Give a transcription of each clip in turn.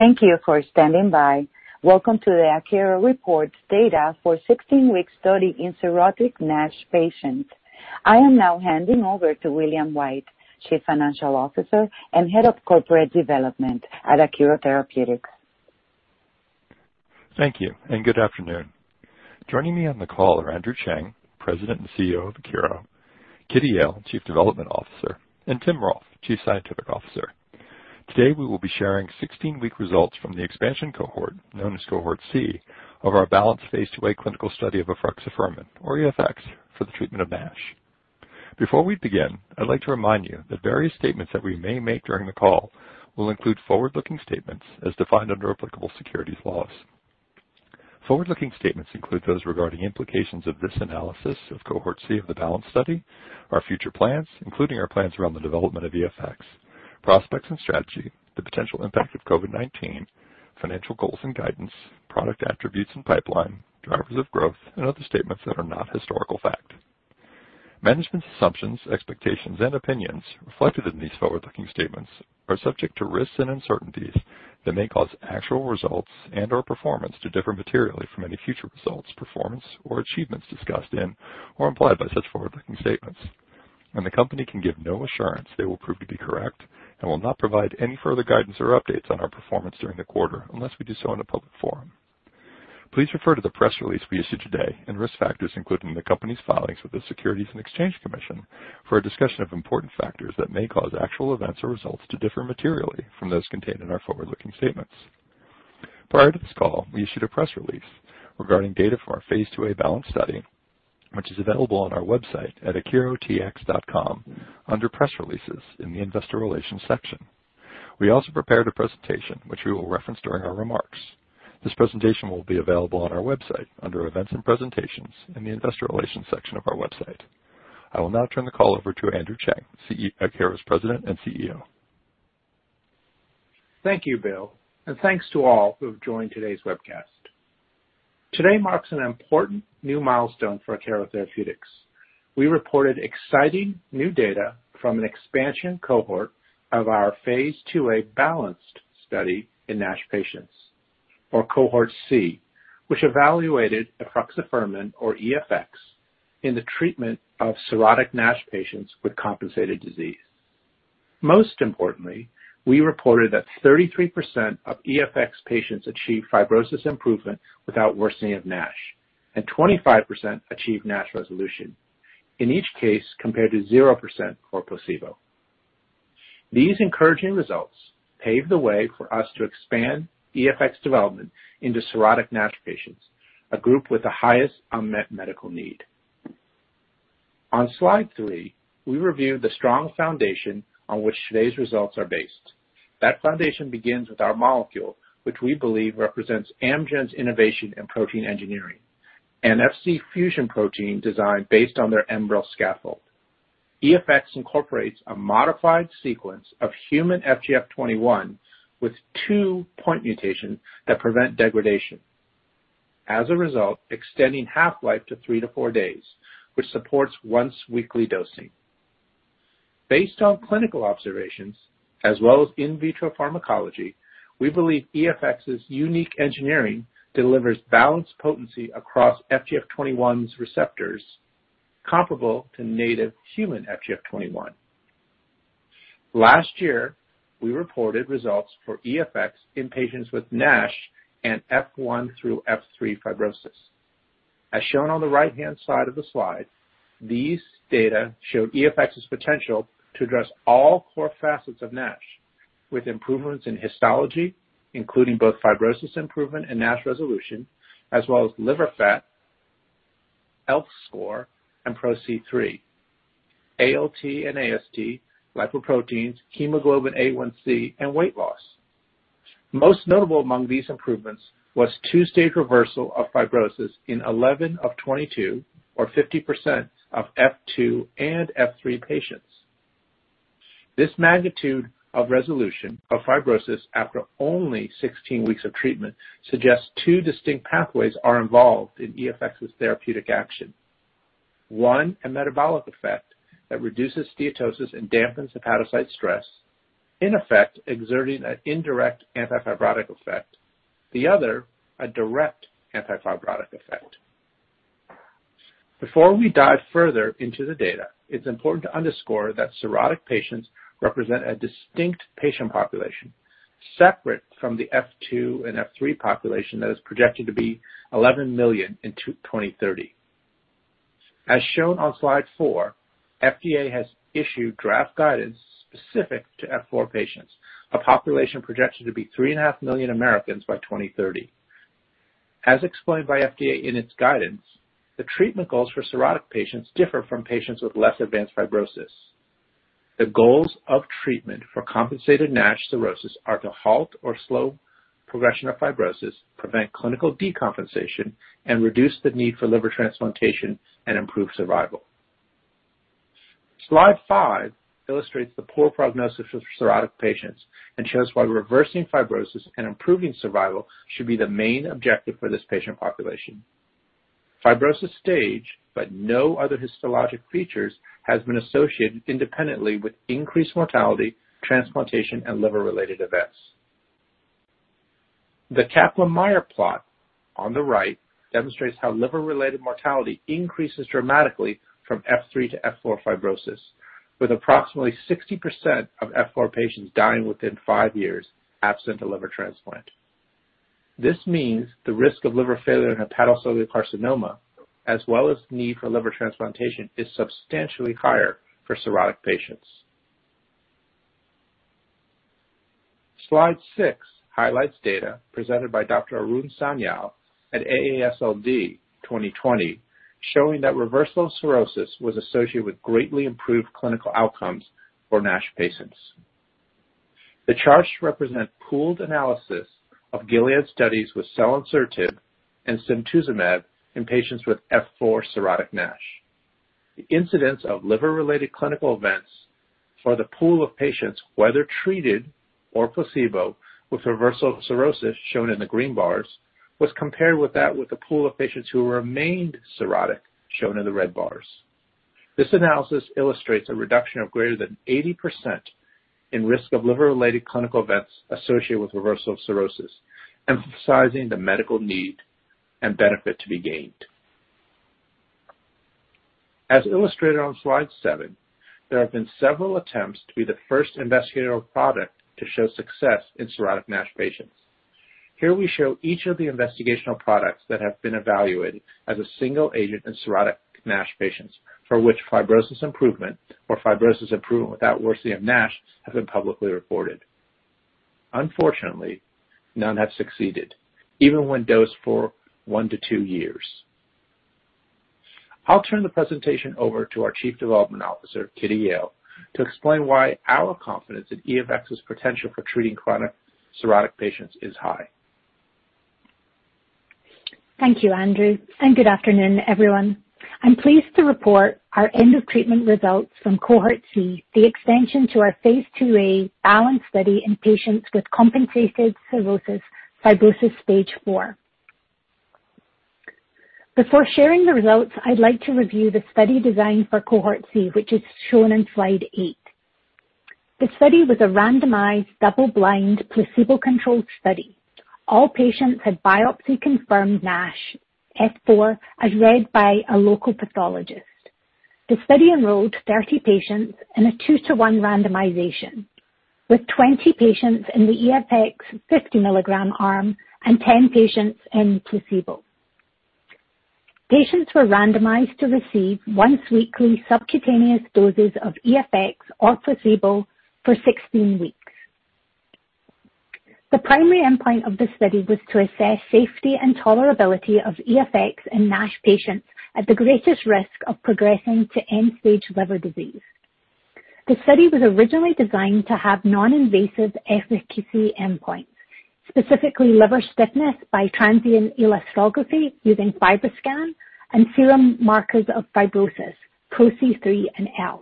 Thank you for standing by. Welcome to the Akero Reports Data for 16-Week Study in Cirrhotic NASH Patients. I am now handing over to William White, Chief Financial Officer and Head of Corporate Development at Akero Therapeutics. Thank you, and good afternoon. Joining me on the call are Andrew Cheng, President and CEO of Akero, Kitty Yale, Chief Development Officer, and Tim Rolph, Chief Scientific Officer. Today, we will be sharing 16-week results from the expansion cohort, known as Cohort C, of our BALANCED phase IIa clinical study of efruxifermin, or EFX, for the treatment of NASH. Before we begin, I'd like to remind you that various statements that we may make during the call will include forward-looking statements as defined under applicable securities laws. Forward-looking statements include those regarding implications of this analysis of Cohort C of the BALANCED study, our future plans, including our plans around the development of EFX, prospects and strategy, the potential impact of COVID-19, financial goals and guidance, product attributes and pipeline, drivers of growth, and other statements that are not historical fact. Management's assumptions, expectations, and opinions reflected in these forward-looking statements are subject to risks and uncertainties that may cause actual results and/or performance to differ materially from any future results, performance, or achievements discussed in or implied by such forward-looking statements. The company can give no assurance they will prove to be correct and will not provide any further guidance or updates on our performance during the quarter unless we do so in a public forum. Please refer to the press release we issued today and risk factors included in the company's filings with the Securities and Exchange Commission for a discussion of important factors that may cause actual events or results to differ materially from those contained in our forward-looking statements. Prior to this call, we issued a press release regarding data for our phase IIa BALANCED study, which is available on our website at akerotx.com under Press Releases in the Investor Relations section. We also prepared a presentation, which we will reference during our remarks. This presentation will be available on our website under Events and Presentations in the Investor Relations section of our website. I will now turn the call over to Andrew Cheng, Akero's President and CEO. Thank you, Bill, and thanks to all who have joined today's webcast. Today marks an important new milestone for Akero Therapeutics. We reported exciting new data from an expansion cohort of our phase IIa BALANCED study in NASH patients, or Cohort C, which evaluated efruxifermin, or EFX, in the treatment of cirrhotic NASH patients with compensated disease. Most importantly, we reported that 33% of EFX patients achieved fibrosis improvement without worsening of NASH, and 25% achieved NASH resolution, in each case compared to 0% for placebo. These encouraging results pave the way for us to expand EFX development into cirrhotic NASH patients, a group with the highest unmet medical need. On slide three, we review the strong foundation on which today's results are based. That foundation begins with our molecule, which we believe represents Amgen's innovation in protein engineering, an Fc fusion protein designed based on their Enbrel scaffold. EFX incorporates a modified sequence of human FGF21 with two point mutations that prevent degradation. As a result, extending half-life to three to four days, which supports once-weekly dosing. Based on clinical observations, as well as in vitro pharmacology, we believe EFX's unique engineering delivers balanced potency across FGF21's receptors comparable to native human FGF21. Last year, we reported results for EFX in patients with NASH and F1 through F3 fibrosis. As shown on the right-hand side of the slide, these data show EFX's potential to address all core facets of NASH with improvements in histology, including both fibrosis improvement and NASH resolution, as well as liver fat, ELF score, and PRO-C3, ALT and AST, lipoproteins, hemoglobin A1c, and weight loss. Most notable among these improvements was 2-stage reversal of fibrosis in 11 of 22, or 50%, of F2 and F3 patients. This magnitude of resolution of fibrosis after only 16 weeks of treatment suggests two distinct pathways are involved in EFX's therapeutic action. One, a metabolic effect that reduces steatosis and dampens hepatocyte stress, in effect exerting an indirect anti-fibrotic effect. The other, a direct anti-fibrotic effect. Before we dive further into the data, it's important to underscore that cirrhotic patients represent a distinct patient population, separate from the F2 and F3 population that is projected to be 11 million in 2030. As shown on slide four, FDA has issued draft guidance specific to F4 patients, a population projected to be 3.5 million Americans by 2030. As explained by FDA in its guidance, the treatment goals for cirrhotic patients differ from patients with less advanced fibrosis. The goals of treatment for compensated NASH cirrhosis are to halt or slow progression of fibrosis, prevent clinical decompensation, and reduce the need for liver transplantation and improve survival. Slide five illustrates the poor prognosis of cirrhotic patients and shows why reversing fibrosis and improving survival should be the main objective for this patient population. Fibrosis stage, but no other histologic features has been associated independently with increased mortality, transplantation, and liver-related events. The Kaplan-Meier plot on the right demonstrates how liver-related mortality increases dramatically from F3 to F4 fibrosis, with approximately 60% of F4 patients dying within five years absent a liver transplant. This means the risk of liver failure and hepatocellular carcinoma, as well as the need for liver transplantation, is substantially higher for cirrhotic patients. Slide six highlights data presented by Dr. Arun Sanyal at AASLD 2020, showing that reversal of cirrhosis was associated with greatly improved clinical outcomes for NASH patients. The charts represent pooled analysis of Gilead studies with selonsertib and simtuzumab in patients with F4 cirrhotic NASH. The incidence of liver-related clinical events for the pool of patients, whether treated or placebo, with reversal of cirrhosis, shown in the green bars, was compared with that with a pool of patients who remained cirrhotic, shown in the red bars. This analysis illustrates a reduction of greater than 80% in risk of liver-related clinical events associated with reversal of cirrhosis, emphasizing the medical need and benefit to be gained. As illustrated on slide seven, there have been several attempts to be the first investigational product to show success in cirrhotic NASH patients. Here we show each of the investigational products that have been evaluated as a single agent in cirrhotic NASH patients for which fibrosis improvement or fibrosis improvement without worsening of NASH have been publicly reported. Unfortunately, none have succeeded, even when dosed for one to two years. I'll turn the presentation over to our Chief Development Officer, Kitty Yale, to explain why our confidence in EFX's potential for treating chronic cirrhotic patients is high. Thank you, Andrew, good afternoon, everyone. I'm pleased to report our end of treatment results from Cohort C, the extension to our phase IIa BALANCED study in patients with compensated cirrhosis fibrosis Stage 4. Before sharing the results, I'd like to review the study design for Cohort C, which is shown in slide eight. The study was a randomized, double-blind, placebo-controlled study. All patients had biopsy-confirmed NASH F4 as read by a local pathologist. The study enrolled 30 patients in a two to one randomization, with 20 patients in the EFX 50 mg arm and 10 patients in placebo. Patients were randomized to receive once-weekly subcutaneous doses of EFX or placebo for 16 weeks. The primary endpoint of the study was to assess safety and tolerability of EFX in NASH patients at the greatest risk of progressing to end-stage liver disease. The study was originally designed to have non-invasive efficacy endpoints, specifically liver stiffness by transient elastography using FibroScan and serum markers of fibrosis, PRO-C3 and ELF.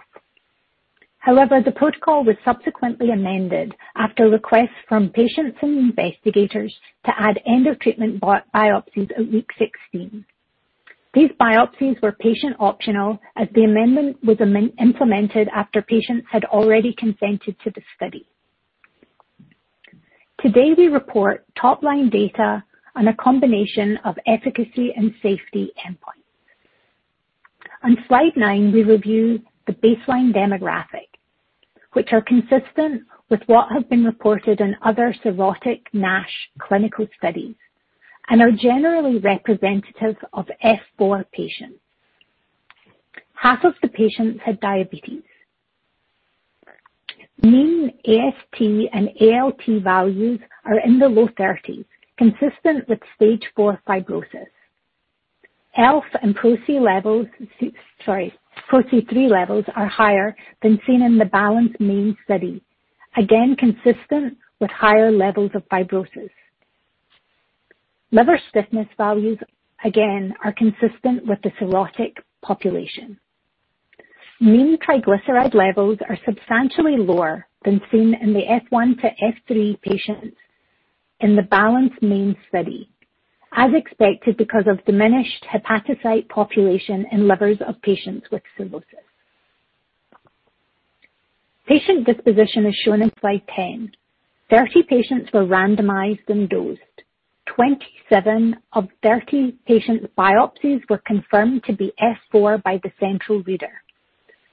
However, the protocol was subsequently amended after requests from patients and investigators to add end of treatment biopsies at week 16. These biopsies were patient optional as the amendment was implemented after patients had already consented to the study. Today, we report top-line data on a combination of efficacy and safety endpoints. On slide nine, we review the baseline demographic, which are consistent with what have been reported in other cirrhotic NASH clinical studies and are generally representative of F4 patients. Half of the patients had diabetes. Mean AST and ALT values are in the low 30s, consistent with Stage 4 fibrosis. ELF and PRO-C3 levels are higher than seen in the BALANCED main study. Again, consistent with higher levels of fibrosis. Liver stiffness values, again, are consistent with the cirrhotic population. Mean triglyceride levels are substantially lower than seen in the F1 to F3 patients in the BALANCED main study, as expected because of diminished hepatocyte population in livers of patients with cirrhosis. Patient disposition is shown in slide 10. 30 patients were randomized and dosed. 27 of 30 patient biopsies were confirmed to be F4 by the central reader.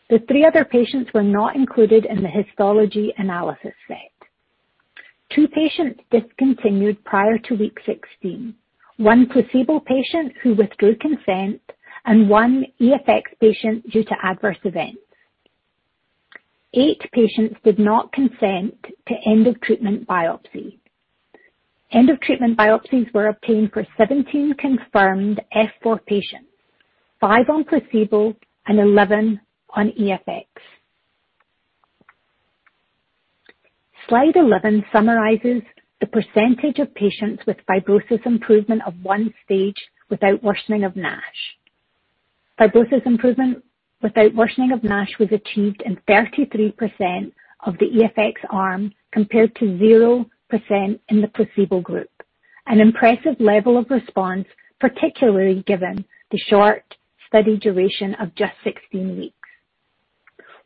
The three other patients were not included in the histology analysis set. Two patients discontinued prior to week 16, one placebo patient who withdrew consent and one EFX patient due to adverse events. Eight patients did not consent to end of treatment biopsy. End of treatment biopsies were obtained for 17 confirmed F4 patients, five on placebo and 11 on EFX. Slide 11 summarizes the percentage of patients with fibrosis improvement of 1-stage without worsening of NASH. Fibrosis improvement without worsening of NASH was achieved in 33% of the EFX arm, compared to 0% in the placebo group. An impressive level of response, particularly given the short study duration of just 16 weeks.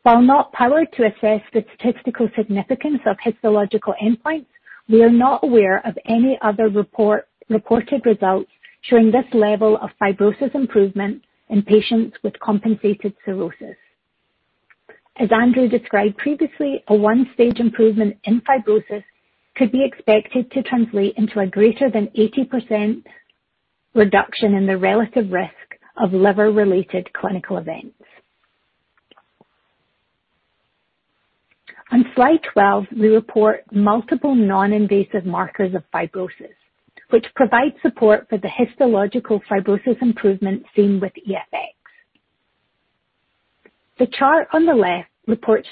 While not powered to assess the statistical significance of histological endpoints, we are not aware of any other reported results showing this level of fibrosis improvement in patients with compensated cirrhosis. As Andrew described previously, a 1-stage improvement in fibrosis could be expected to translate into a greater than 80% reduction in the relative risk of liver-related clinical events. On slide 12, we report multiple non-invasive markers of fibrosis, which provide support for the histological fibrosis improvement seen with EFX. The chart on the left reports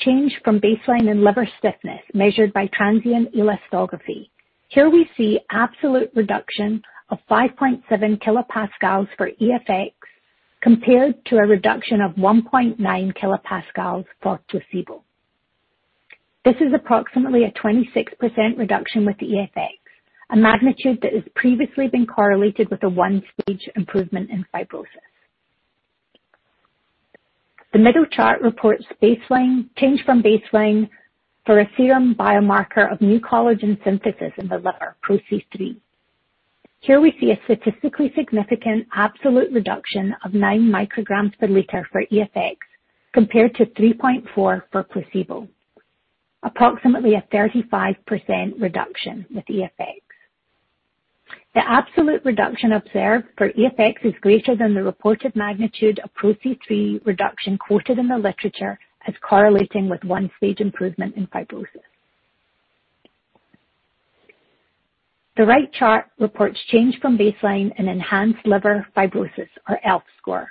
change from baseline in liver stiffness measured by transient elastography. Here we see absolute reduction of 5.7 kilopascals for EFX, compared to a reduction of 1.9 kilopascals for placebo. This is approximately a 26% reduction with EFX, a magnitude that has previously been correlated with a 1-stage improvement in fibrosis. The middle chart reports change from baseline for a serum biomarker of new collagen synthesis in the liver, PRO-C3. Here we see a statistically significant absolute reduction of nine micrograms per liter for EFX, compared to 3.4 for placebo. Approximately a 35% reduction with EFX. The absolute reduction observed for EFX is greater than the reported magnitude of PRO-C3 reduction quoted in the literature as correlating with 1-stage improvement in fibrosis. The right chart reports change from baseline in enhanced liver fibrosis, or ELF score,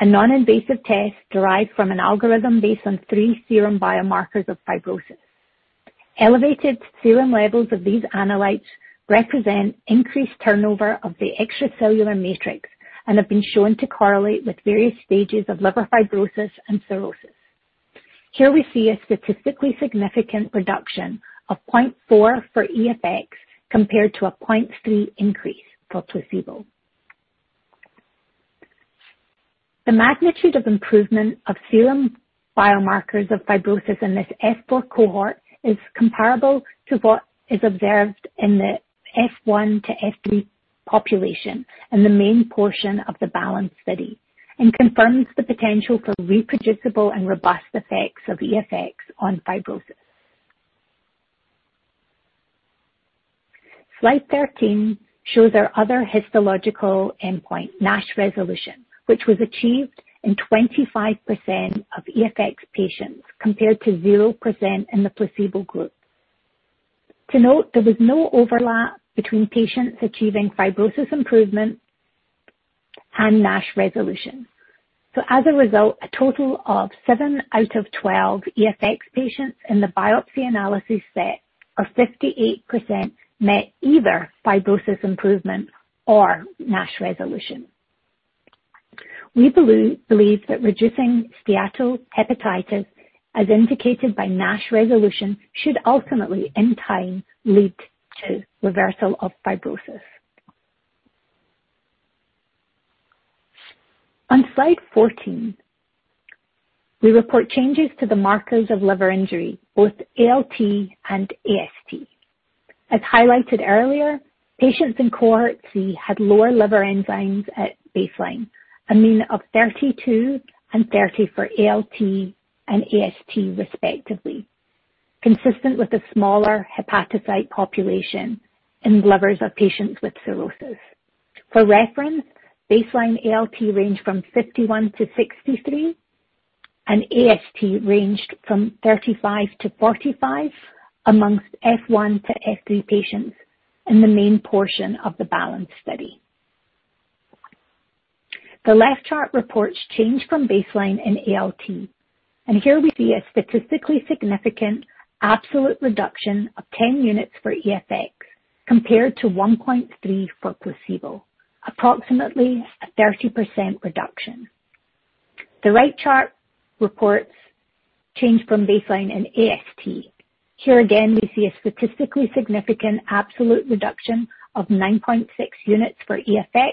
a non-invasive test derived from an algorithm based on three serum biomarkers of fibrosis. Elevated serum levels of these analytes represent increased turnover of the extracellular matrix and have been shown to correlate with various stages of liver fibrosis and cirrhosis. Here we see a statistically significant reduction of 0.4 for EFX compared to a 0.3 increase for placebo. The magnitude of improvement of serum biomarkers of fibrosis in this F4 cohort is comparable to what is observed in the F1 to F3 population in the main portion of the BALANCED study and confirms the potential for reproducible and robust effects of EFX on fibrosis. Slide 13 shows our other histological endpoint, NASH resolution, which was achieved in 25% of EFX patients compared to 0% in the placebo group. To note, there was no overlap between patients achieving fibrosis improvement and NASH resolution. As a result, a total of 7 out of 12 EFX patients in the biopsy analysis set, or 58%, met either fibrosis improvement or NASH resolution. We believe that reducing steatohepatitis, as indicated by NASH resolution, should ultimately, in time, lead to reversal of fibrosis. On slide 14, we report changes to the markers of liver injury, both ALT and AST. As highlighted earlier, patients in Cohort C had lower liver enzymes at baseline, a mean of 32 and 30 for ALT and AST respectively, consistent with the smaller hepatocyte population in livers of patients with cirrhosis. For reference, baseline ALT ranged from 51-63, and AST ranged from 35-45 amongst F1 to F3 patients in the main portion of the BALANCED study. The left chart reports change from baseline in ALT, and here we see a statistically significant absolute reduction of 10 units for EFX compared to 1.3 for placebo. Approximately a 30% reduction. The right chart reports change from baseline in AST. Here again, we see a statistically significant absolute reduction of 9.6 units for EFX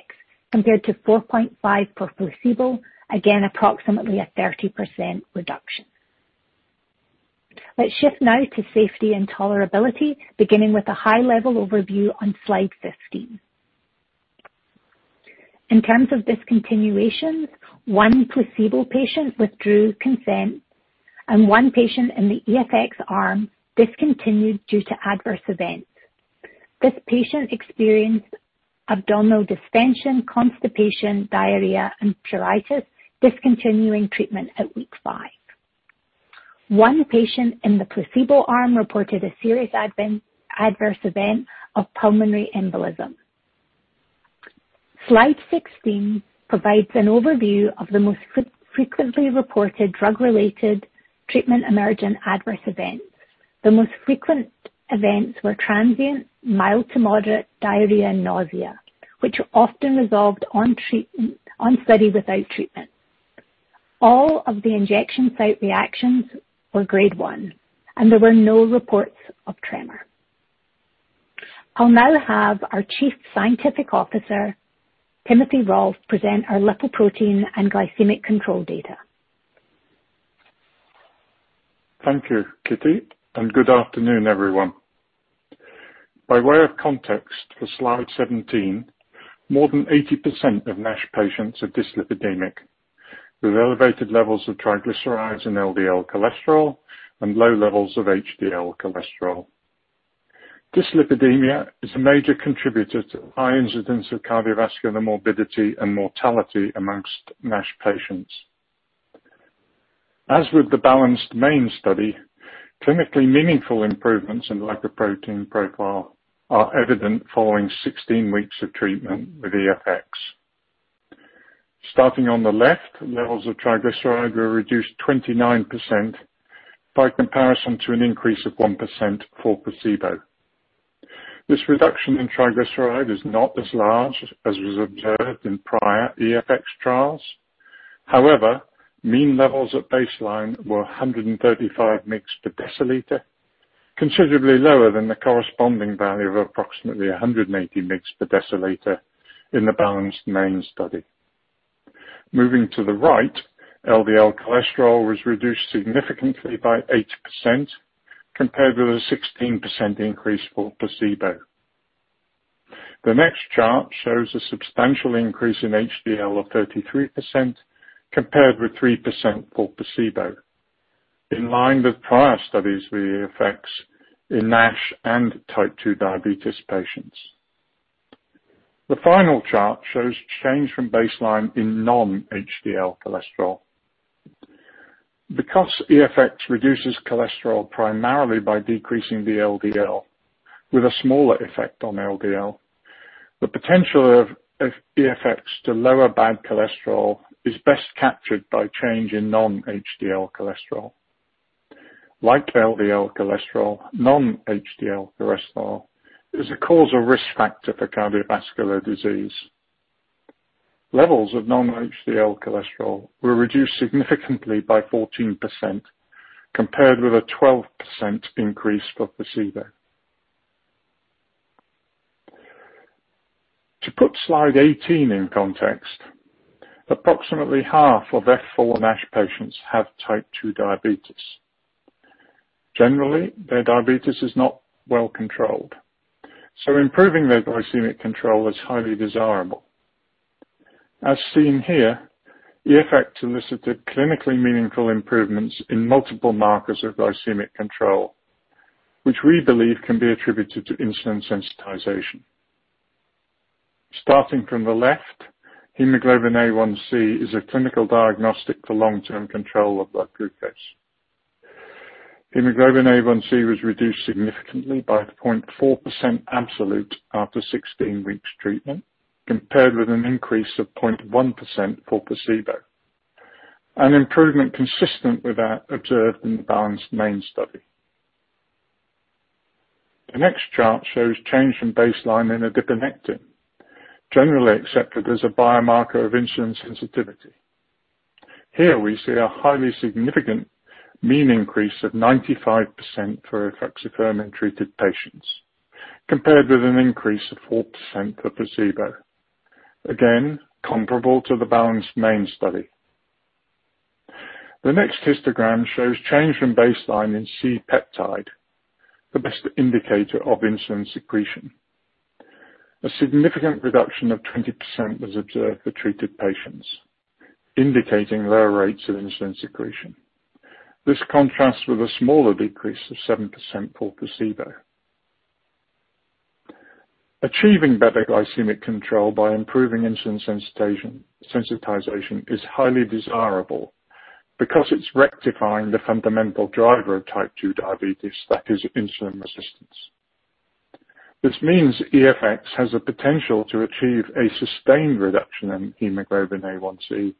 compared to 4.5 for placebo. Again, approximately a 30% reduction. Let's shift now to safety and tolerability, beginning with a high-level overview on slide 15. In terms of discontinuations, one placebo patient withdrew consent, and one patient in the EFX arm discontinued due to adverse events. This patient experienced abdominal distension, constipation, diarrhea, and pruritus, discontinuing treatment at week five. One patient in the placebo arm reported a serious adverse event of pulmonary embolism. Slide 16 provides an overview of the most frequently reported drug-related treatment emergent adverse events. The most frequent events were transient, mild to moderate diarrhea and nausea, which often resolved on study without treatment. All of the injection site reactions were Grade 1, and there were no reports of tremor. I'll now have our Chief Scientific Officer, Timothy Rolph, present our lipoprotein and glycemic control data. Thank you, Kitty, and good afternoon, everyone. By way of context for Slide 17, more than 80% of NASH patients are dyslipidemic, with elevated levels of triglycerides and LDL cholesterol and low levels of HDL cholesterol. Dyslipidemia is a major contributor to high incidence of cardiovascular morbidity and mortality amongst NASH patients. As with the BALANCED main study, clinically meaningful improvements in lipoprotein profile are evident following 16 weeks of treatment with EFX. Starting on the left, levels of triglyceride were reduced 29% by comparison to an increase of 1% for placebo. This reduction in triglyceride is not as large as was observed in prior EFX trials. However, mean levels at baseline were 135 mg per deciliter, considerably lower than the corresponding value of approximately 180 mg per deciliter in the BALANCED main study. Moving to the right, LDL cholesterol was reduced significantly by 8%, compared with a 16% increase for placebo. The next chart shows a substantial increase in HDL of 33%, compared with 3% for placebo, in line with prior studies with EFX in NASH and type 2 diabetes patients. The final chart shows change from baseline in non-HDL cholesterol. Because EFX reduces cholesterol primarily by decreasing the VLDL, with a smaller effect on LDL, the potential of EFX to lower bad cholesterol is best captured by change in non-HDL cholesterol. Like LDL cholesterol, non-HDL cholesterol is a causal risk factor for cardiovascular disease. Levels of non-HDL cholesterol were reduced significantly by 14%, compared with a 12% increase for placebo. To put Slide 18 in context, approximately half of F4 NASH patients have type 2 diabetes. Generally, their diabetes is not well controlled, so improving their glycemic control is highly desirable. As seen here, EFX elicited clinically meaningful improvements in multiple markers of glycemic control, which we believe can be attributed to insulin sensitization. Starting from the left, hemoglobin A1c is a clinical diagnostic for long-term control of blood glucose. Hemoglobin A1c was reduced significantly by 0.4% absolute after 16 weeks treatment, compared with an increase of 0.1% for placebo, an improvement consistent with that observed in the BALANCED main study. The next chart shows change from baseline in adiponectin, generally accepted as a biomarker of insulin sensitivity. Here, we see a highly significant mean increase of 95% for efruxifermin-treated patients, compared with an increase of 4% for placebo. Again, comparable to the BALANCED main study. The next histogram shows change from baseline in C-peptide, the best indicator of insulin secretion. A significant reduction of 20% was observed for treated patients, indicating lower rates of insulin secretion. This contrasts with a smaller decrease of 7% for placebo. Achieving better glycemic control by improving insulin sensitization is highly desirable because it's rectifying the fundamental driver of type 2 diabetes, that is insulin resistance. This means EFX has a potential to achieve a sustained reduction in hemoglobin A1c,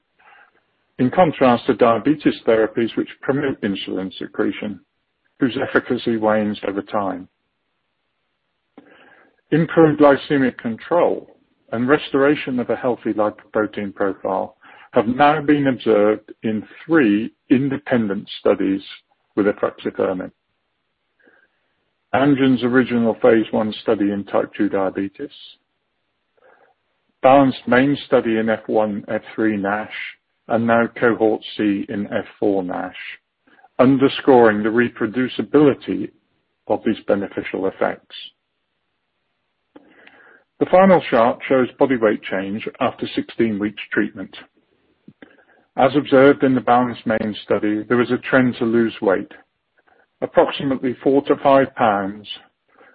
in contrast to diabetes therapies which promote insulin secretion, whose efficacy wanes over time. Improved glycemic control and restoration of a healthy lipoprotein profile have now been observed in three independent studies with efruxifermin. Amgen's original phase I study in type 2 diabetes, BALANCED main study in F1, F3 NASH, and now Cohort C in F4 NASH, underscoring the reproducibility of these beneficial effects. The final chart shows body weight change after 16 weeks treatment. As observed in the BALANCED main study, there is a trend to lose weight, approximately 4 pounds-5 pounds,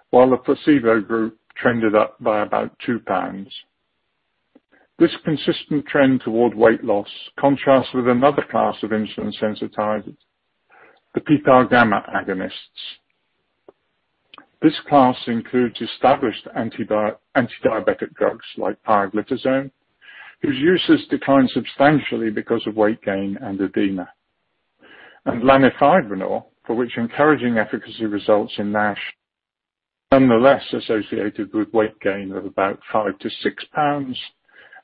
while the placebo group trended up by about 2 pounds. This consistent trend toward weight loss contrasts with another class of insulin sensitizer, the PPAR-gamma agonists. This class includes established antidiabetic drugs like pioglitazone, whose use has declined substantially because of weight gain and edema, and lanifibranor, for which encouraging efficacy results in NASH nonetheless associated with weight gain of about 5 pounds-6 pounds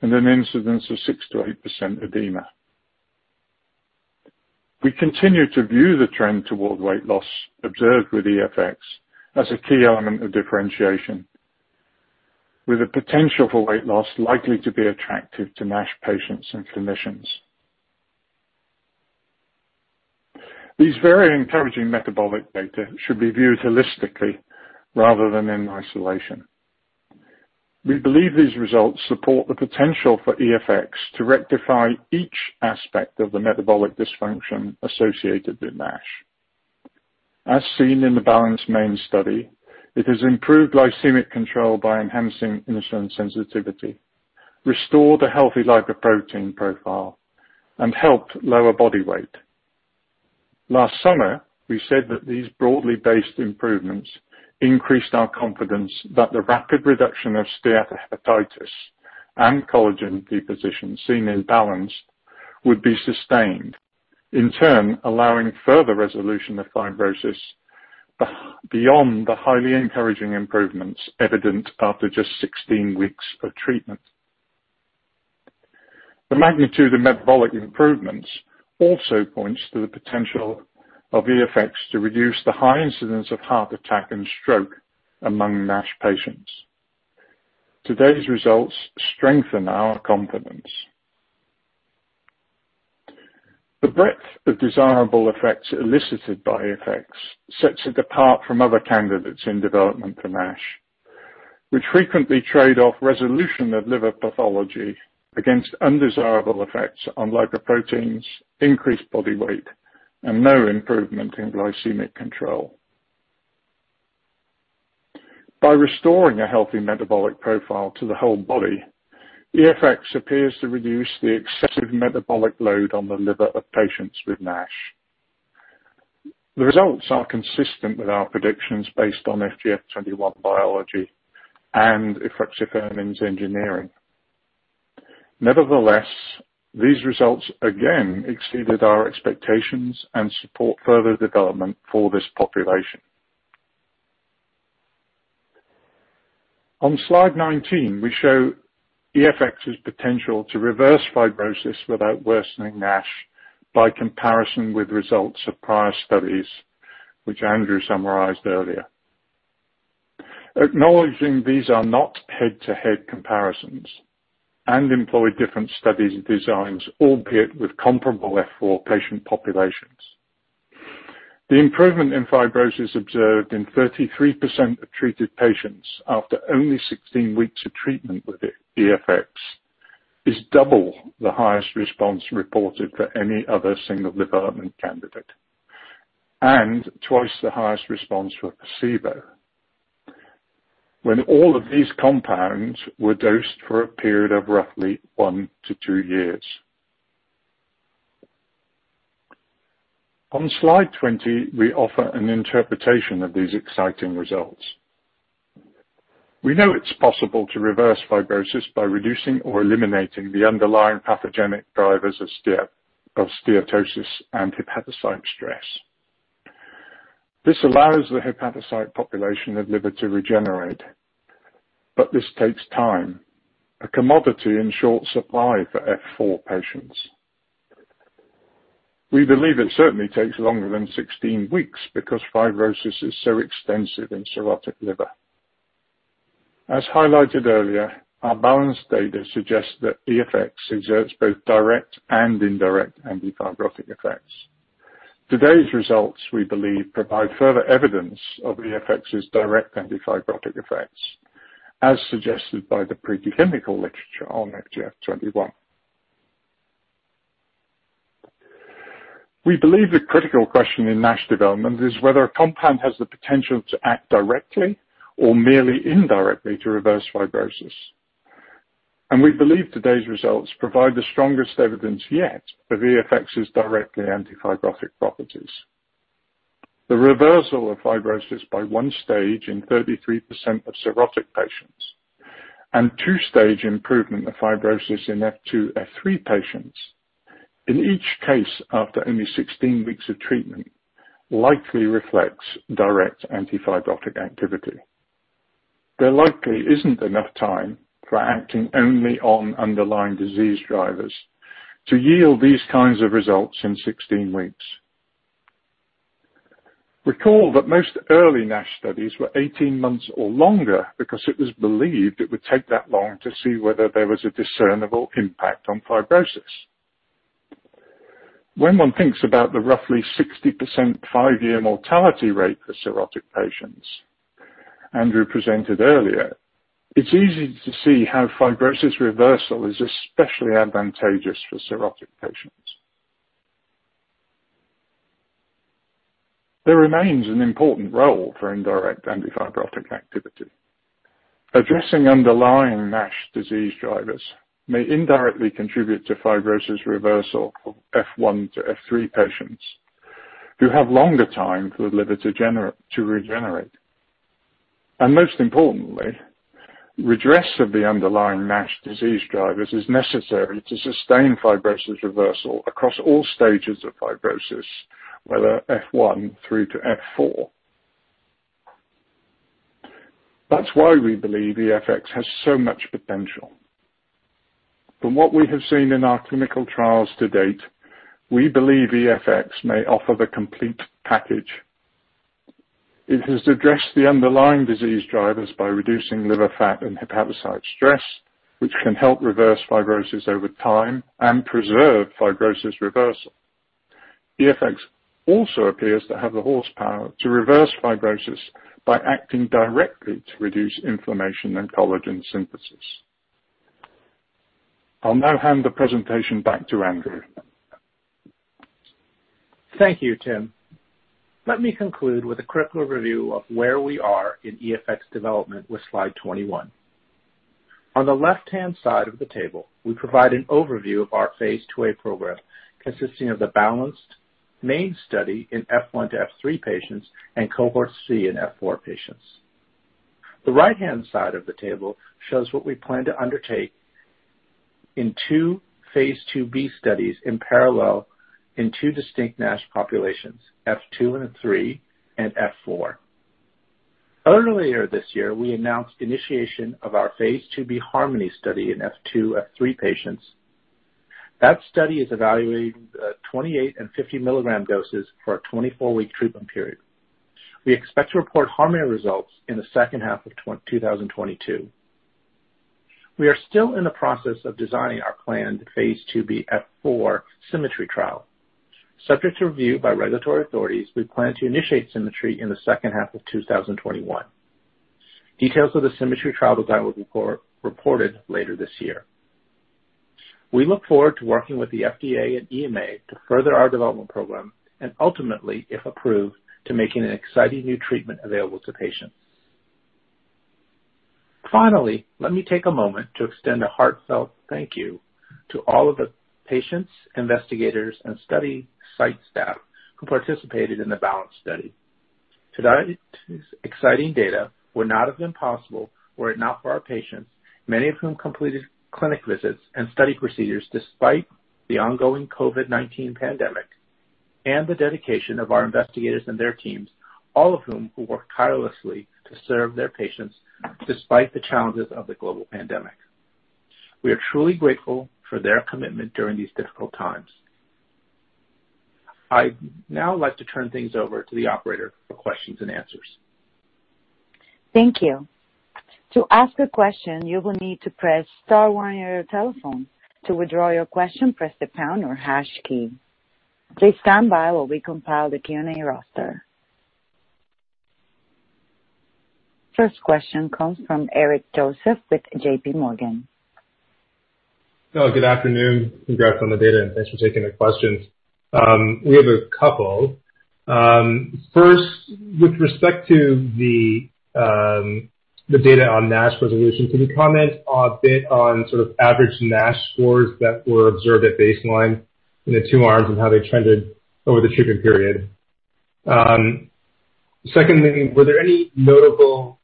and an incidence of 6%-8% edema. We continue to view the trend toward weight loss observed with EFX as a key element of differentiation, with the potential for weight loss likely to be attractive to NASH patients and clinicians. These very encouraging metabolic data should be viewed holistically rather than in isolation. We believe these results support the potential for EFX to rectify each aspect of the metabolic dysfunction associated with NASH. As seen in the BALANCED main study, it has improved glycemic control by enhancing insulin sensitivity, restored a healthy lipoprotein profile, and helped lower body weight. Last summer, we said that these broadly based improvements increased our confidence that the rapid reduction of steatohepatitis and collagen deposition seen in BALANCED would be sustained, in turn, allowing further resolution of fibrosis beyond the highly encouraging improvements evident after just 16 weeks of treatment. The magnitude of metabolic improvements also points to the potential of EFX to reduce the high incidence of heart attack and stroke among NASH patients. Today's results strengthen our confidence. The breadth of desirable effects elicited by EFX sets it apart from other candidates in development for NASH, which frequently trade off resolution of liver pathology against undesirable effects on lipoproteins, increased body weight, and no improvement in glycemic control. By restoring a healthy metabolic profile to the whole body, EFX appears to reduce the excessive metabolic load on the liver of patients with NASH. The results are consistent with our predictions based on FGF21 biology and efruxifermin's engineering. Nevertheless, these results again exceeded our expectations and support further development for this population. On slide 19, we show EFX's potential to reverse fibrosis without worsening NASH by comparison with results of prior studies, which Andrew summarized earlier. Acknowledging these are not head-to-head comparisons and employ different study designs, albeit with comparable F4 patient populations. The improvement in fibrosis observed in 33% of treated patients after only 16 weeks of treatment with EFX is double the highest response reported for any other single development candidate and twice the highest response for a placebo, when all of these compounds were dosed for a period of roughly one to two years. On slide 20, we offer an interpretation of these exciting results. We know it's possible to reverse fibrosis by reducing or eliminating the underlying pathogenic drivers of steatosis and hepatocyte stress. This allows the hepatocyte population of liver to regenerate, but this takes time, a commodity in short supply for F4 patients. We believe it certainly takes longer than 16 weeks because fibrosis is so extensive in cirrhotic liver. As highlighted earlier, our BALANCED data suggests that EFX exerts both direct and indirect antifibrotic effects. Today's results, we believe, provide further evidence of EFX's direct antifibrotic effects, as suggested by the preclinical literature on FGF21. We believe the critical question in NASH development is whether a compound has the potential to act directly or merely indirectly to reverse fibrosis. We believe today's results provide the strongest evidence yet of EFX's direct antifibrotic properties. The reversal of fibrosis by 1-stage in 33% of cirrhotic patients and 2-stage improvement of fibrosis in F2, F3 patients, in each case after only 16 weeks of treatment, likely reflects direct antifibrotic activity. There likely isn't enough time for acting only on underlying disease drivers to yield these kinds of results in 16 weeks. Recall that most early NASH studies were 18 months or longer because it was believed it would take that long to see whether there was a discernible impact on fibrosis. When one thinks about the roughly 60% five-year mortality rate for cirrhotic patients Andrew presented earlier, it's easy to see how fibrosis reversal is especially advantageous for cirrhotic patients. There remains an important role for indirect antifibrotic activity. Addressing underlying NASH disease drivers may indirectly contribute to fibrosis reversal from F1 to F3 patients who have longer time for the liver to regenerate. Most importantly, redress of the underlying NASH disease drivers is necessary to sustain fibrosis reversal across all stages of fibrosis, whether F1 through to F4. That's why we believe EFX has so much potential. From what we have seen in our clinical trials to date, we believe EFX may offer the complete package. It has addressed the underlying disease drivers by reducing liver fat and hepatocyte stress, which can help reverse fibrosis over time and preserve fibrosis reversal. EFX also appears to have the horsepower to reverse fibrosis by acting directly to reduce inflammation and collagen synthesis. I'll now hand the presentation back to Andrew. Thank you, Tim. Let me conclude with a quick review of where we are in EFX development with slide 21. On the left-hand side of the table, we provide an overview of our phase IIa program, consisting of the BALANCED main study in F1-F3 patients and Cohort C in F4 patients. The right-hand side of the table shows what we plan to undertake in two phase IIb studies in parallel in two distinct NASH populations, F2 and F3, and F4. Earlier this year, we announced initiation of our phase IIb HARMONY study in F2, F3 patients. That study is evaluating 28 and 50 milligram doses for a 24-week treatment period. We expect to report HARMONY results in the second half of 2022. We are still in the process of designing our planned phase IIb F4 SYMMETRY trial. Subject to review by regulatory authorities, we plan to initiate SYMMETRY in the second half of 2021. Details of the SYMMETRY trial design will be reported later this year. We look forward to working with the FDA and EMA to further our development program and ultimately, if approved, to making an exciting new treatment available to patients. Let me take a moment to extend a heartfelt thank you to all of the patients, investigators, and study site staff who participated in the BALANCED study. Today's exciting data would not have been possible were it not for our patients, many of whom completed clinic visits and study procedures despite the ongoing COVID-19 pandemic, and the dedication of our investigators and their teams, all of whom work tirelessly to serve their patients despite the challenges of the global pandemic. We are truly grateful for their commitment during these difficult times. I'd now like to turn things over to the operator for questions and answers. Thank you. First question comes from Eric Joseph with JPMorgan. Good afternoon. Congrats on the data, thanks for taking the questions. We have a couple. First, with respect to the data on NASH resolution, can you comment a bit on sort of average NASH scores that were observed at baseline in the two arms and how they trended over the treatment period? Secondly, were there any notable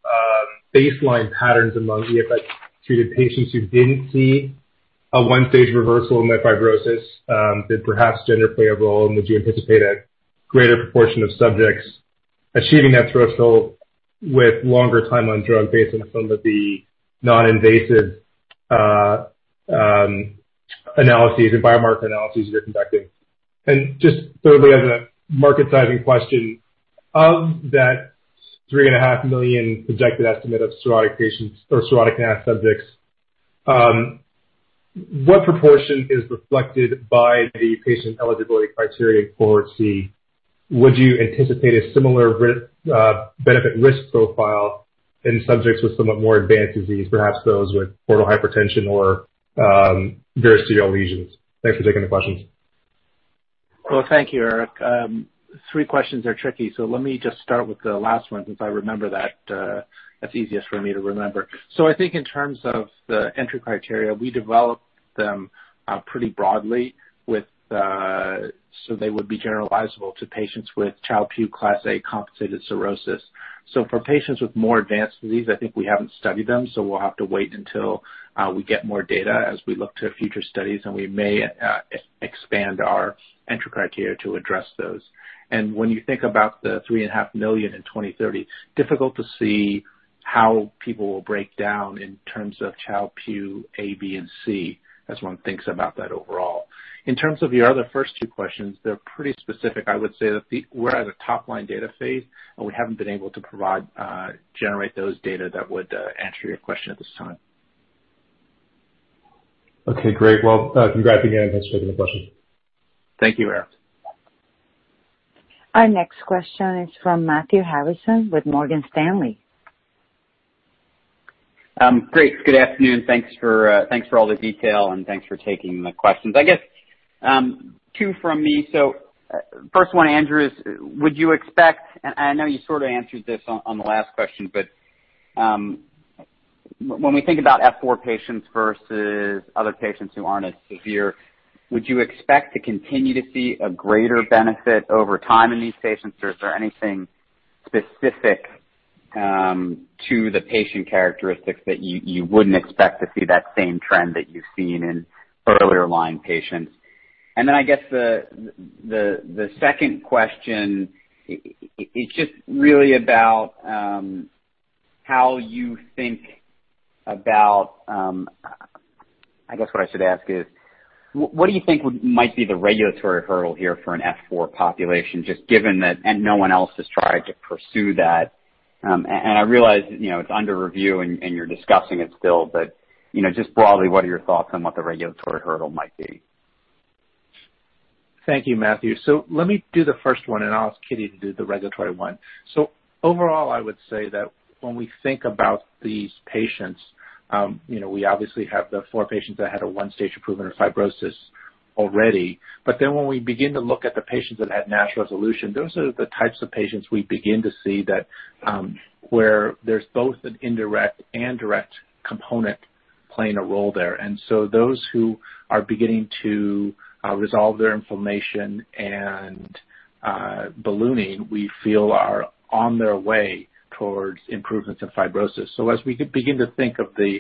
baseline patterns among EFX-treated patients who didn't see a 1-stage reversal in their fibrosis? Did perhaps gender play a role, would you anticipate a greater proportion of subjects achieving that threshold with longer time on drug based on some of the non-invasive analyses and biomarker analyses you're conducting? Just thirdly, as a market sizing question, of that 3.5 million projected estimate of cirrhotic patients or cirrhotic NASH subjects, what proportion is reflected by the patient eligibility criteria in Cohort C? Would you anticipate a similar benefit risk profile in subjects with somewhat more advanced disease, perhaps those with portal hypertension or variceal lesions? Thanks for taking the questions. Thank you, Eric. Three questions are tricky, let me just start with the last one since that's easiest for me to remember. I think in terms of the entry criteria, we developed them pretty broadly so they would be generalizable to patients with Child-Pugh class A compensated cirrhosis. For patients with more advanced disease, I think we haven't studied them, so we'll have to wait until we get more data as we look to future studies, and we may expand our entry criteria to address those. When you think about the three and a half million in 2030, difficult to see how people will break down in terms of Child-Pugh A, B, and C, as one thinks about that overall. In terms of your other first two questions, they're pretty specific. I would say that we're at a top-line data phase. We haven't been able to generate those data that would answer your question at this time. Okay, great. Well, congrats again. Thanks for taking the question. Thank you, Eric. Our next question is from Matthew Harrison with Morgan Stanley. Great. Good afternoon. Thanks for all the detail and thanks for taking the questions. Two from me. First one, Andrew, is would you expect, and I know you sort of answered this on the last question, but when we think about F4 patients versus other patients who aren't as severe, would you expect to continue to see a greater benefit over time in these patients, or is there anything specific to the patient characteristics that you wouldn't expect to see that same trend that you've seen in earlier line patients? I guess the second question is just really about how you think about, I guess what I should ask is, what do you think might be the regulatory hurdle here for an F4 population, just given that no one else has tried to pursue that? I realize, it's under review, and you're discussing it still, but, just broadly, what are your thoughts on what the regulatory hurdle might be? Thank you, Matthew. Let me do the first one, and I'll ask Kitty to do the regulatory one. Overall, I would say that when we think about these patients, we obviously have the four patients that had a 1-stage improvement of fibrosis already. When we begin to look at the patients that had NASH resolution, those are the types of patients we begin to see that where there's both an indirect and direct component playing a role there. Those who are beginning to resolve their inflammation and ballooning, we feel are on their way towards improvements in fibrosis. As we begin to think of the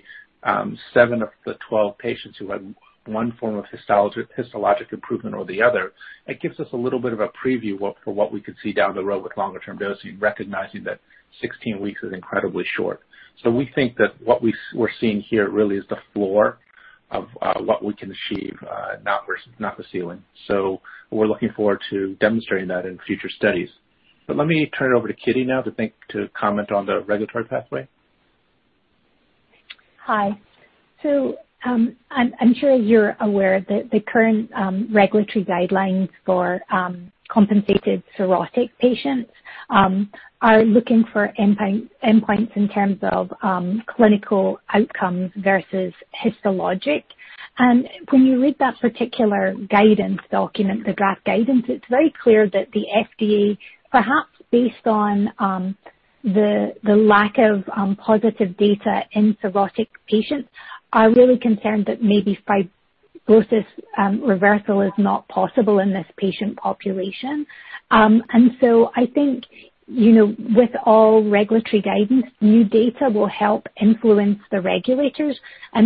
seven of the 12 patients who had one form of histologic improvement or the other, it gives us a little bit of a preview for what we could see down the road with longer-term dosing, recognizing that 16 weeks is incredibly short. We think that what we're seeing here really is the floor of what we can achieve, not the ceiling. We're looking forward to demonstrating that in future studies. Let me turn it over to Kitty now to comment on the regulatory pathway. Hi. I'm sure you're aware that the current regulatory guidelines for compensated cirrhotic patients are looking for endpoints in terms of clinical outcomes versus histologic. When you read that particular guidance document, the draft guidance, it's very clear that the FDA, perhaps based on the lack of positive data in cirrhotic patients, are really concerned that maybe fibrosis reversal is not possible in this patient population. I think, with all regulatory guidance, new data will help influence the regulators. I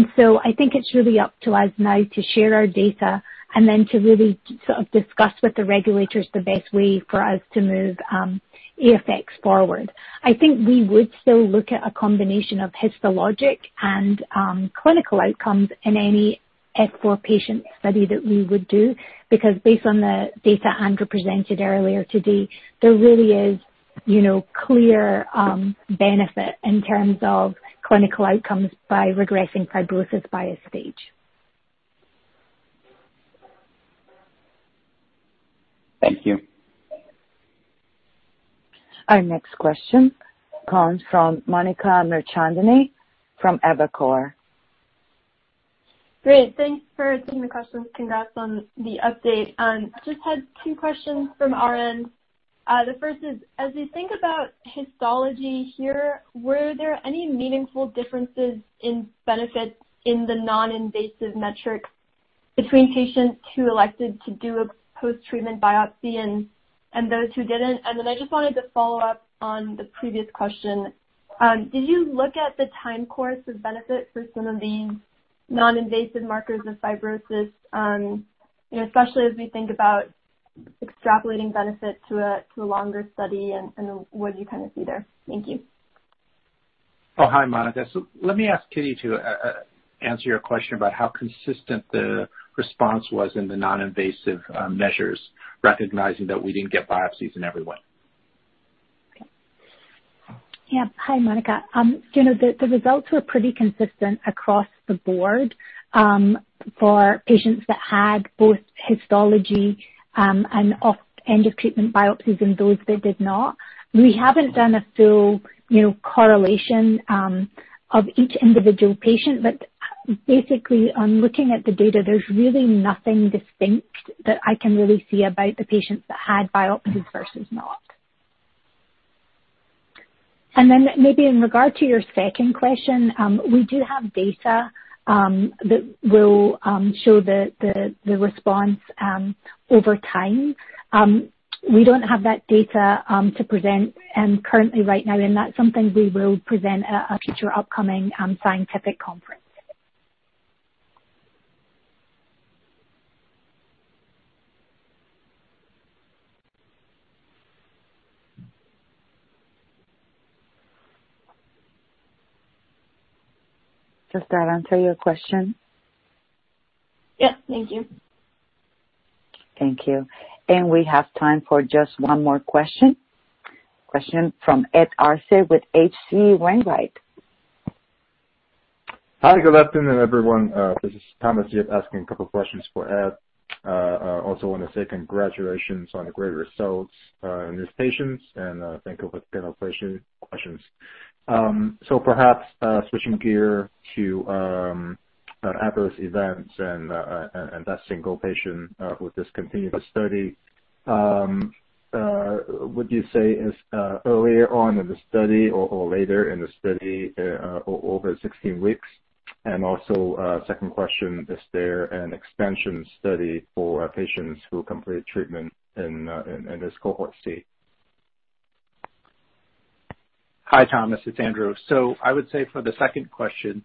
think it's really up to us now to share our data and then to really sort of discuss with the regulators the best way for us to move EFX forward. I think we would still look at a combination of histologic and clinical outcomes in any F4 patient study that we would do, because based on the data Andrew presented earlier today, there really is clear benefit in terms of clinical outcomes by regressing fibrosis by Stage 1. Thank you. Our next question comes from Monica Mirchandani from Evercore. Great. Thanks for taking the questions. Congrats on the update. Just had two questions from our end. The first is, as we think about histology here, were there any meaningful differences in benefits in the non-invasive metrics between patients who elected to do a post-treatment biopsy and those who didn't? Then I just wanted to follow up on the previous question. Did you look at the time course of benefit for some of these non-invasive markers of fibrosis, especially as we think about extrapolating benefit to a longer study and what you see there? Thank you. Hi, Monica. Let me ask Kitty to answer your question about how consistent the response was in the non-invasive measures, recognizing that we didn't get biopsies in every one. Yeah. Hi, Monica. The results were pretty consistent across the board for patients that had both histology and end of treatment biopsies and those that did not. We haven't done a full correlation of each individual patient, but basically, on looking at the data, there's really nothing distinct that I can really see about the patients that had biopsies versus not. Maybe in regard to your second question, we do have data that will show the response over time. We don't have that data to present currently right now, and that's something we will present at a future upcoming scientific conference. Does that answer your question? Yeah. Thank you. Thank you. We have time for just one more question. Question from Ed Arce with H.C. Wainwright. Hi, good afternoon, everyone. This is Thomas asking a couple questions for Ed. Also want to say congratulations on the great results in these patients, and thank you for the questions. Perhaps, switching gears to adverse events and that single patient who discontinued the study. Would you say it's earlier on in the study or later in the study over 16 weeks? Also, second question, is there an expansion study for patients who completed treatment in this Cohort C? Hi, Thomas. It's Andrew. I would say for the second question,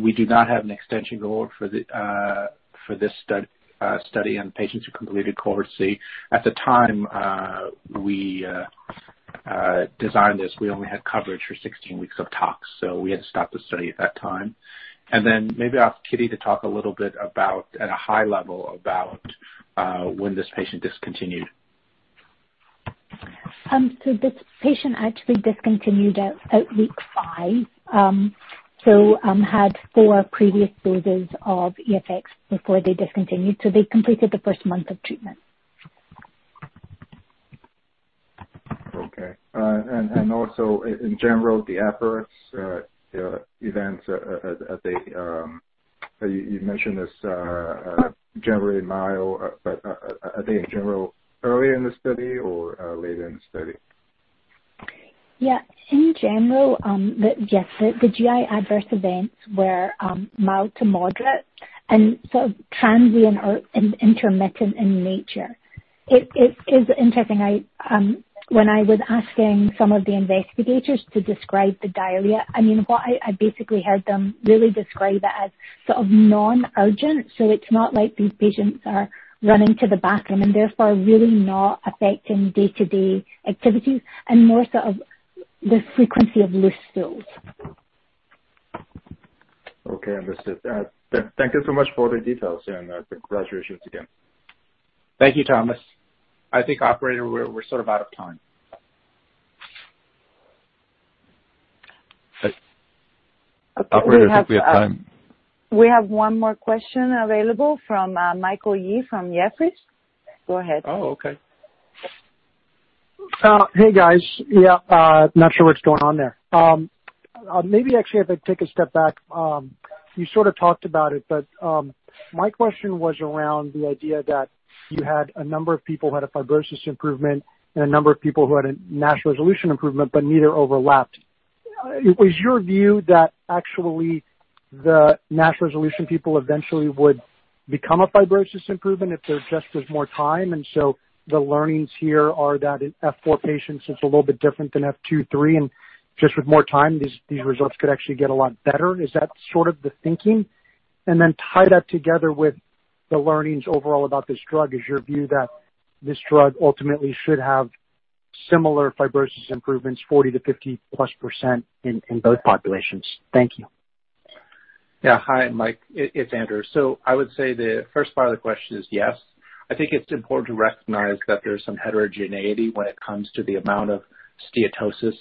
we do not have an extension cohort for this study on patients who completed Cohort C. At the time we designed this, we only had coverage for 16 weeks of tox, so we had to stop the study at that time. Maybe ask Kitty to talk a little bit, at a high level, about when this patient discontinued. This patient actually discontinued at week five. Had four previous doses of EFX before they discontinued, so they completed the first month of treatment. In general, the adverse events, you mentioned this, generally mild, but are they in general earlier in the study or later in the study? Yeah. In general, yes, the GI adverse events were mild to moderate and sort of transient or intermittent in nature. It is interesting, when I was asking some of the investigators to describe the diarrhea, I basically heard them really describe it as sort of non-urgent. It's not like these patients are running to the bathroom and therefore really not affecting day-to-day activities and more sort of the frequency of loose stools. Okay, understood. Thank you so much for the details and congratulations again. Thank you, Thomas. I think, operator, we're sort of out of time. Operator, I think we have time. We have one more question available from Michael Yee from Jefferies. Go ahead. Oh, okay. Hey, guys. Yeah, not sure what's going on there. Maybe actually if I take a step back, you sort of talked about it, but my question was around the idea that you had a number of people who had a fibrosis improvement and a number of people who had a NASH resolution improvement, but neither overlapped. Is your view that actually the NASH resolution people eventually would become a fibrosis improvement if there just is more time, and so the learnings here are that in F4 patients, it's a little bit different than F2/F3, and just with more time, these results could actually get a lot better? Is that sort of the thinking? Tie that together with the learnings overall about this drug. Is your view that this drug ultimately should have similar fibrosis improvements, 40%-50%+ in both populations? Thank you. Hi, Mike, it's Andrew. I would say the first part of the question is yes. I think it's important to recognize that there's some heterogeneity when it comes to the amount of steatosis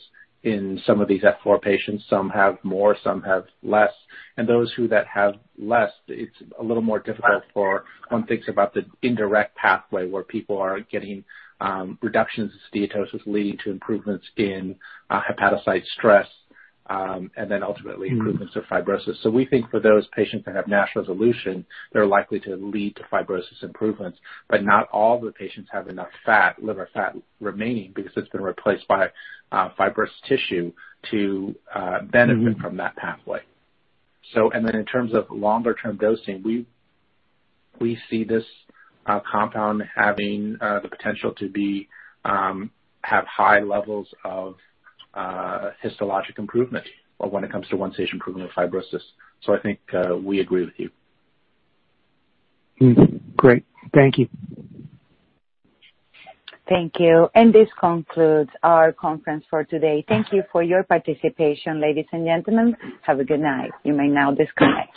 in some of these F4 patients. Some have more, some have less, and those who that have less, it's a little more difficult for one thinks about the indirect pathway where people are getting reductions in steatosis leading to improvements in hepatocyte stress, and then ultimately improvements of fibrosis. We think for those patients that have NASH resolution, they're likely to lead to fibrosis improvements. Not all the patients have enough liver fat remaining because it's been replaced by fibrous tissue to benefit from that pathway. In terms of longer-term dosing, we see this compound having the potential to have high levels of histologic improvement when it comes to 1-stage improvement of fibrosis. I think we agree with you. Great. Thank you. Thank you. This concludes our conference for today. Thank you for your participation, ladies and gentlemen. Have a good night. You may now disconnect.